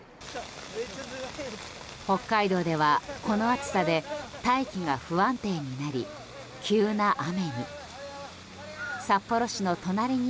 北海道では、この暑さで大気が不安定になり、急な雨に。